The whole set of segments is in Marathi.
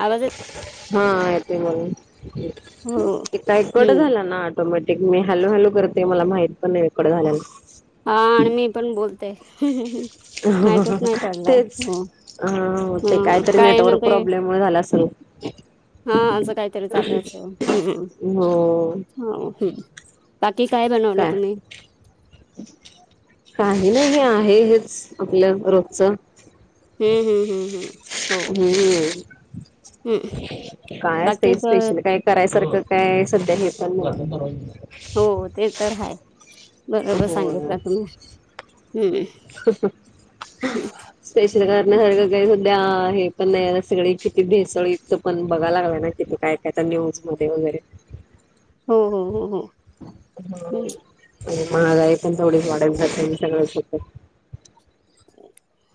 आवाज येत हा येते म्हणून हो इथलाच कट हम्म झाला ना ऑटोमॅटिक मी हॅलू हैलू करते मला माहित पण नाही की कट झाल्याला. हा आणि मी पण बोलते माहितच नाही पडला तेच हो. अ ते हम्म कायतरी काय ना नेटवर्क ते प्रॉब्लेम मुळे झाला असेल. हा असं काहीतरी चाल असं हम्म हो हो हम्म बाकी काय बनवलं तुम्ही. [inaudible] नाही नाही आहे हेच आपल्या रोजचं. हम्म हम्म. हम्म काय असते बाकी तेच तर स्पेशल काय करायसारखं काय सध्या हे पण नाही. हो ते तर हाय बरोबर हो. सांगितलं तुम्ही हम्म. [inaudible] स्पेशल करण्यासारखा काय सुद्ध्या हे पण नाही सगळी चिती भेसळीतच पण बघाय लागला ना किती काय त्याच्या न्यूजमध्ये वगैरे हो हो हो हो. हा हम्म आणि महागाई पण थोडी वाढून जाते [inaudible]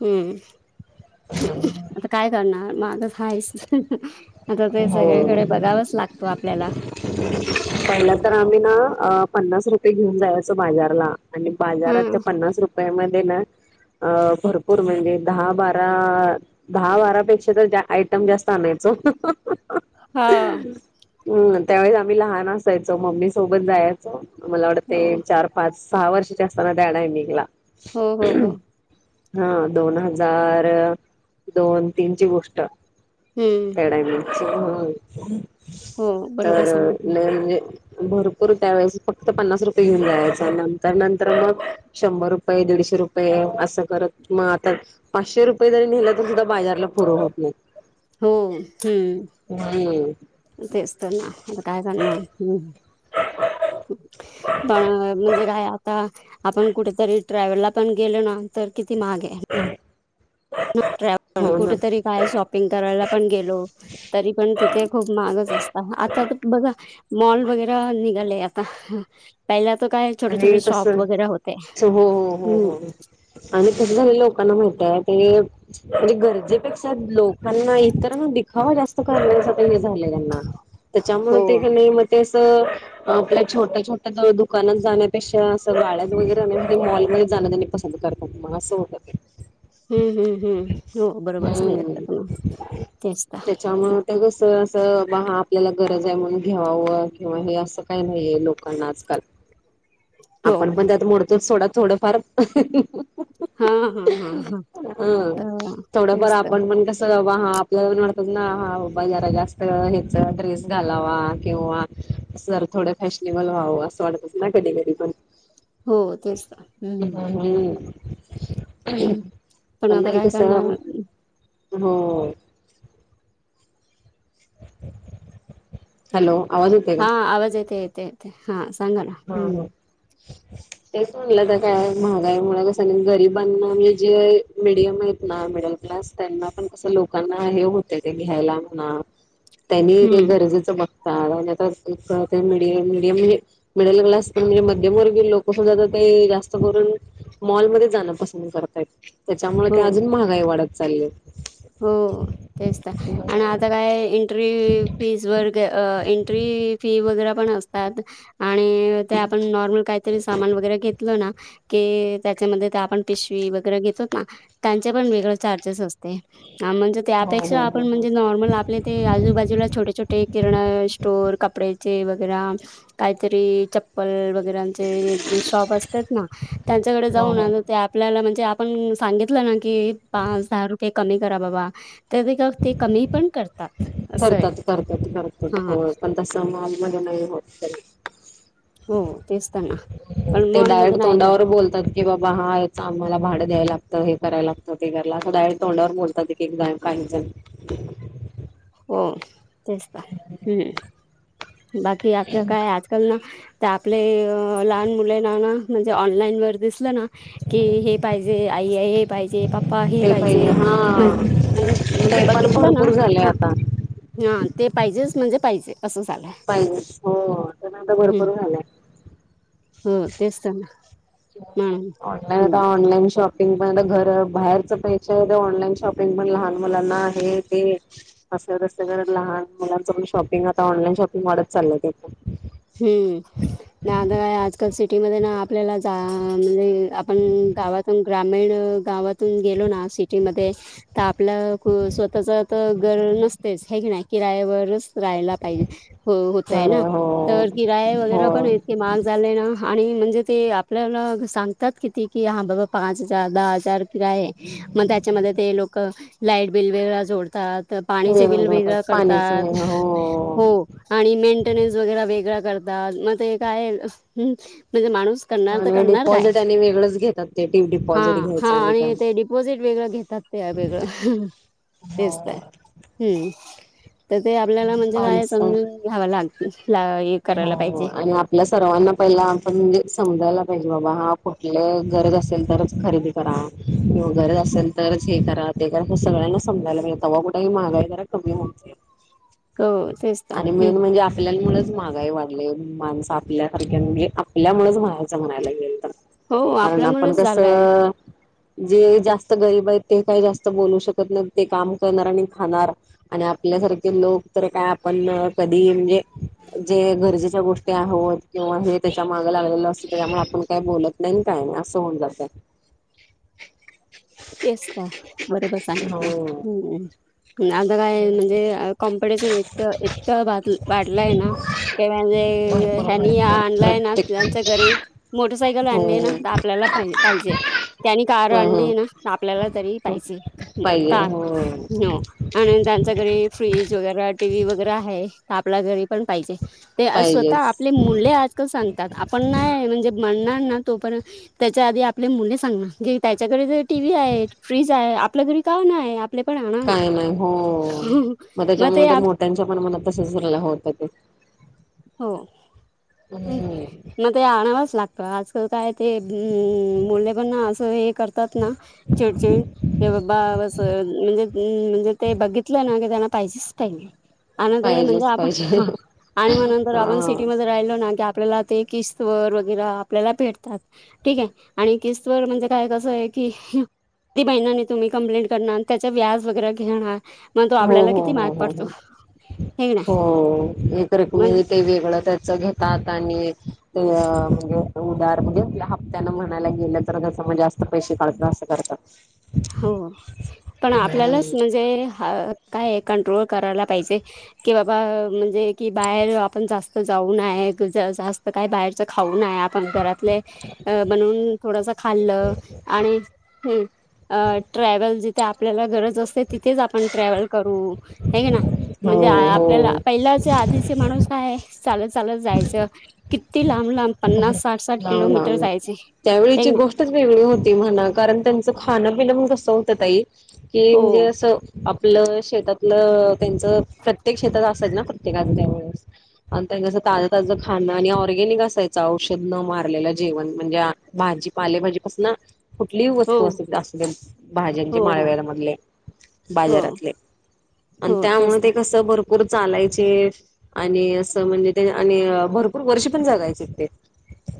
हम्म आता काय करणार महागच हायच. आता ते हो सगळीकडे बघावंच लागतो आपल्याला. पहिला तर आम्ही ना पन्नास रुपये घेऊन जायचो बाजारला. आणि बाजारात हम्म त्या पन्नास रुपया मध्ये ना अ भरपूर म्हणजे दहा बारा दहा बारापेक्षा तर जा आयटम जास्त आणायचो. हा. हम्म त्यावेळेस आम्ही लहान असायचो मम्मी सोबत जाया मला वाड ते हो चार पाच सहा वर्षाचे असताना डॅडा आहे निघला हो हो हो हा दोन हजार दोन तीनची गोष्ट. हम्म. डायमंडच म्हणून हो बरोबर तर सांगितलं. लय म्हणजे भरपूर त्यावेेळेस फक्त पन्नास रुपये घेऊन जायचं नंतर नंतर मग शंभर रुपये देडशे रुपये असं करत मग आता. पाचशे रुपये जरी नेलं तर सुद्धा बाजारला पुरव होत नाही. हो हम्म. हम्म. तेच तर ना आता काय करणार. पण म्हणजे काय आता आपण कुठेतरी ट्रॅव्हलला पण गेलो ना तर किती महाग आहे. [inaudible] ट्रॅव्ह हो ना. कुठेतरी काय शॉपिंग करायला पण गेलो तरी पण तिथे खूप महागच असतं आता तर बघा मॉल वगैरे निघाले आता. पहिल्या तर काय छोटे आणि छोटे कस शॉप वगैरे होते हो हो हो हम्म. हो आणि कसं झाले लोकांना माहितं आहे ते म्हणजे गरजेपेक्षा लोक त्यांना इतरांना दिखावा जास्त करण्या असं हे झालं त्यांना त्याच्यामुळे हो. ते कणी मग ते असं आपल्या छोट्या छोट्या दुकानात जाण्यापेक्षा असं गाड्यात वगैरे आम्ही मॉलमध्ये जाणं त्यानी पसंत करतात मग असं होतं ते. हम्म हम्म हम्म हो बरोबर हम्म सांगितलं तुम्ही तेच तर आहे. तर कसं असं बघ हा आपल्याला गरज आहे म्हणून घ्यावावं किंवा हे असं काही नाही आहे लोकांना आजकाल. हो. आपण पण त्यात मोडतोच सोडा थोड थोडंफार हा हा हा हा अ थोडंफार तेच तर आपण पण कसं बाबा हा आपल्याला म्हणतात ना हा बाबा जरा जास्त हेच ड्रेस घालावा किंवा जर थोड फॅशनेबल व्हावं, असं वाटतच ना कधी कधी पण हो तेच तर हम्म. हम्. हम्म. पण आता नाही काय कस करणार? हो. हॅलो आवाज येतोय का? ह आवाज येतय येतेय येत हा सांगा ना हा हम्म. हो तेच म्हणलं तर काय महागाईमुळे कसं ना, गरिबांना म्हणजे जे मिडियम आहेत ना मिडल क्लास त्यांना पण कसं लोकांना हे होतंय ते घ्यायला म्हणा. [unintelligible] त्यांनी ते हं. गरजेचं बघता आणि आ ते मीडी मीडियम हे मिडल क्लास पण म्हणजे मध्यमवर्गीय लोक सुद्धा तर ते जास्त करून मॉलमध्ये जाणं पसंद करतायत, त्याच्यामुळे ते हो. अजून महागाई वाढत चालली आहे. हो तेच तर. आणि आता काय एंट्री फीज अ एंट्री फी वगैरे पण असतात. आणि ते आपण नॉर्मल काहीतरी सामान वगैरे घेतलं ना कि त्याच्यामध्ये ते आपण पिशवी वगैरे घेतो ना त्यांचे पण वेगळ चार्जेस असते. हा म्हणजे हो हो त्यापेक्षा हो आपण हो. म्हणजे नॉर्मल आपले ते आजूबाजूला छोटे छोटे किरण स्टोर कपड्याचे वगैरा काहीतरी चप्पल वगैरांचे शॉप असतात ना त्यांच्याकडे हो जाऊन आ हो ते आपल्याला म्हणजे आपण सांगितलं ना की पाच दहा रुपये कमी करा बाबा [unintelligible] तर ते कमी पण करतात असं आहे हा. तस मॉलमध्ये नाही होत तरी हो तेच तर ना. पण ते मॉलमध्ये डायरेक्ट नाही तोंडावर करत बोलतात. कि बाबा हा याच आम्हाला भाड द्यायल लागतं हे करायला लागतं ते करायला लागतं तोंडावर बोलतात ते किंवा काहिजण [unintelligible] हो तेच तर हम् बाकी आपलं काय आज तर ना त्या आपले लहान मुलेला ना म्हणजे ऑनलाईन वर दिसलं ना की हे पाहिजे आई आ हे पाहिजे पप्पा हे ते पहिले पाहिजे म्हण हा म्हणजे म्हणजे ते पण बघितलं ना भरपूर झाले हा आता हा ते पाहिजेच म्हणजे पाहिजे. असं झालंय पाहिजे हो तर न आता भरपूर झालाय. हं तेच तर ना. म्हणून ऑनलाईन आता हम्म ऑनलाईन शॉप शिंग पण आता घर बाहेरच पेक्षा ऑनलाईन शॉपिंग पण लहान मुलाना आहे ते असल्या [unintelligible] लहान मुलांचं पण शॉपिंग आता ऑनलाईन शॉपिंग वाढत चाललंय [unintelligible] हम्म नाही आता काय आजकाल सिटीमध्ये ना आपल्याला [unintelligible] तर आपलं क स्वतःच तर घर नसतेच हे की नाही किरायावरच रायला पाहिजे हो होतय अरे ना हो तर किराया हो वगैरे पण कि महाग झाले ना आणि म्हणजे ते आपल्याला सांगतात किती की हां बाबा पाच हजार दहा हजार काय आहे मग त्याच्यामध्ये ते लोक लाईट बिल वेगवेगळे जोडतात. तर पाणीचे बिल वेगवेगळं वेगळं पाण्याचं करतात वेगळं हो. आणि मेंटेनन्स वगैरे वेगळा करतात, मग ते काय म्हणजे माणूस. करणार तर आणि करणार काय, डिपॉझिट आणि वेगळंच घेतात ते टी हा डिपॉझिट हा.. घ्यायचं आणि काय ते डिपोजिट वेगळं घेतात. ते आहे वेगळं. हो तेच तर हो. हम्म तर ते आपल्याला म्हणजे काय माणसं समजून घ्याव लागत ला हो आणि आप आपला सर्वांना पहिला आपण म्हणजे, समजायला पाहिजे बाबा हा कुठल गरज असेल तरच खरेदी. करा किंवा गरज असेल तरच हे करा ते करा, सगळ्यांना समजायला तेव्हा कुठेही महागाई जरा. कमी मोठी आहे. क तेच. तर आणि मेन हम्म म्हणजे आत आपल्यामुळेच महागाई वाढले माणसं, आपल्यासारख्या म्हणजे आपल्यामुळेच म्हणायचं म्हणायला गेल तर. हो आणि आपण आपल्यामुळेच झालंय कसं. जे जास्तं गरीब आहेत ते काही जास्त बोलू शकत नाही, ते काम करणार आणि खाणार. आणि आपल्यासारखे लोकं तर काय आपण कधी म्हणजे, जे गरजेच्या गोष्टी आहोत किंवा हे त्याच्या माग लागलेलं असत त्याच्यामुळे आपण काय बोलत देन काय असं होऊन जातं. तेच तर बरोबर सांगितला हो हम्म. आता काय म्हणजे, कॉम्पिटिशन इतक इतकं वाढलंय ना. म्हणजे भरपूर हेनी, भरपूर आणलाय ना प्रत्येक त्यांच्या घरी. मोटरसायकल हो आणली ना, आपल्याला पाहि पाहिजे त्यांनी कार हो ह आणली ना. आपल्याला तरी ह पाहिजे, पाहिजे का हो हम. आणि त्यांच्या घरी फ्रीज वगैरे, टी व्ही वगैरे आहे तर आपल्या घरी पण पाहिजे. ते स्वतः पाहिजेच आपले मुले आजकाल सांगतात, आपण नाही म्हणजे म्हणणार ना तोपर्यंत. त्यांच्या आधी आपल्या मुले सांगणार, त्यांच्याकडे टी व्ही आहे. फ्रीज आहे आपल्या घरी का नाय आहे. काय नाही हो.. मग तेच्यामुळे ते मोठ्यांच्या पण मनात तसंच [unintelligible] होत जाते. हो [unintelligible] हम्म मग ते आणावंच लागतं, आजकाल काय ते मुले पण असं हे करतात ना. चिडचिड. हे बाबा म्हणजे म्हणजे ते, बघितलं ना की त्यांना पाहिजेच पाहिजे. आणि म्हणजे पाहिजेच आपण पाहिजे हां.. आणि, मग नंतर हा आपण सिटीमध्ये राहिलो. नाकी आपल्याला ते किस्तवर वगैरे आपल्याला भेटतात. ठीक आहे, आणि किसवर म्हणजे काय कसं आहे की. ती महिनानी तुम्ही कंप्लेंट करणार त्या व्याज वगैरे घेणार. मग तो हो आपल्याला हो किती माग हो हो पडतो हो.. हे ना हो.. एक मग रकमी ते वेगळं त्याचं घेत. कात आणि ते म्हणजे उदार म्हणजे, हप्त्यान म्हणायला गेलं तर जस म्हणजे असं. पैसे काढतात असं करतात. हो पण आपल्यालाच हम्म म्हणजे, काय कंट्रोल करायला पाहिजे. की बाबा म्हणजे की, बाहेर आपण जास्त जाऊ नये जास्तं. काही बाहेरच खाऊ नये, आपण घरातले. अ बनवून थोडसं खाल्लं, आणि हम. अ ट्रॅव्हल जिथे आपल्याला गरज असते, तिथेच आपण ट्रॅव्हल करू. हे कना म्हणजे, हो आपल्याला हो पहिलंच आधीच. ते माणुस काय चालतं चालतं जायचं, किती लांब लांब पन्नास. साठ साठ किलोमीटर जायचे, एक ना. त्यात वेगळी होती म्हणा कारण त्यांचं खाणं पिण मण कसं होतं ताई की हो म्हणजे असं आपलं शेतातलं त्यांच, प्रत्येक शेतात असतंच ना. [inaudible] आणि ते जस ताजं ताजं खाणं आणि ऑरगॅनिक असायचं औषध. न मारलेलं जेवण म्हणजे, भाजीपाले भाजे पसन. कुठलीही हो वस्तू असूद्या, असूदेल भाज्यांचे हो हो माळव्यामधले हो बाजारातले. आणि हो त्यामुळे तेच ना ते कसं भरपूर चालायचे आणि असं, म्हणजे ते आणि भरपूर वर्ष पण जगायचे ते.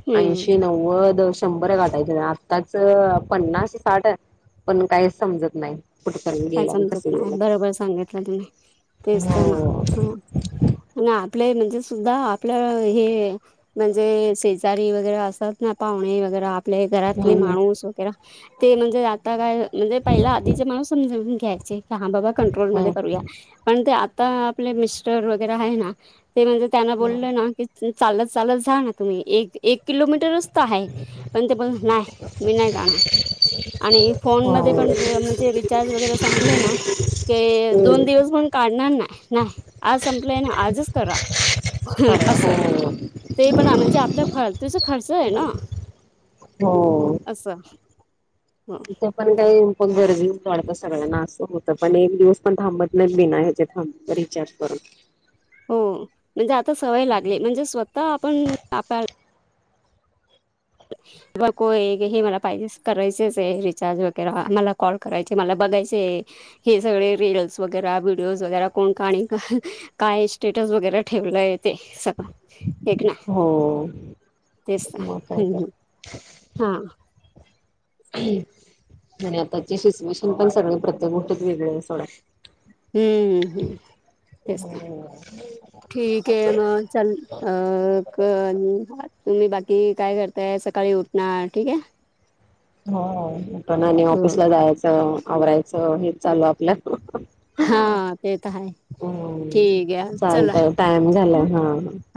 हम्म ऐंशीे नव्वद श शंभर गाठायचं न, आत्ताच पन्नास साठ पण काहीच समजत नाही. कुठपर्यंत काय गेला आणि समजत कसं नाही. गेलं बरोबर सांगितलं तुम्ही, तेच हम्म तर ना हं. आण आपले म्हणजे सुद्धा आपल्या हे म्हणजे शेजारी वगैरे असतात ना पाहुणे वगैरे आपले घरातले हम्म माणूस वगैरा ते म्हणजे आता काय म्हणजे पहिला आधीचे माणूस समजून घ्यायचे की, हां बाबा हो कंट्रोलमध्ये करूया. पण ते आता आपले मिस्टर वगैरे हाय ना, ते म्हणजे त्यांना हम्म बोललं ना की चालत चालत जा ना तुम्ही, एक एक किलोमीटरच ते हाय. पण ते पण न्हाय मी नाही जाणार आणि फोन हो मधे पण [unintelligible] चे रिचार्ज वगैरे संपले ना ते दोन दिवस पण काढणार नाय नाय, आज संपलंय ना आजच करा. हं असं हाय, ते पण म्हणजे आपल्या फालतूचा खर्च आहे ना. हो असं. तिथं पण काही पण गर्दी वाढता सगळ्यांना असं होतं पण एक दिवस पण थांबत नाही बीना ह्याचे थांबनारी विचार करून. हो म्हणजे आता सवय लागली, म्हणजे स्वतः आपण आपा [inaudible] बघकोय हे मला पाहिजे करायचेच आहे चार्ज वगैरे मला कॉल करायचे मला बघायचेय हे सगळे रीलस वगैरे व्हिडिओज वगैरा कोण का आणि का काय स्टेटस वगैरे ठेवलंय येते सगळं [inaudible] हो तेच तर मग काय हम्म हम्म तर हा आणि आताची सिच्युएशन पण सगळे प्रत्येक गोष्टीत वेगळी आहे सोडा हम्म हम्म हम्म, तेच ना सोडा ठीक आहे मग. चल अ क तुम्ही बाकी काय करताय, सकाळी उठणार ठीक हाय? [inaudible] [inaudible] हो उठून आणि ऑफिसला जायाचं, आवरायचं हेच चालू आपल्या हां ते तर हाय, ठीक आहे चला. चालतय टाइम झालाय हं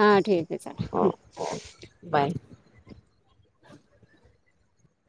हा ठीक हाय चला. Okay bye.